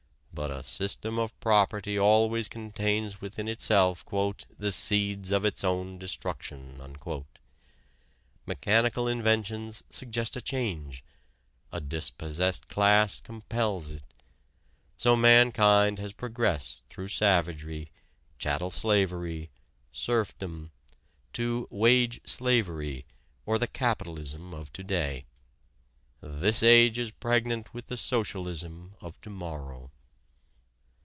But a system of property always contains within itself "the seeds of its own destruction." Mechanical inventions suggest a change: a dispossessed class compels it. So mankind has progressed through savagery, chattel slavery, serfdom, to "wage slavery" or the capitalism of to day. This age is pregnant with the socialism of to morrow.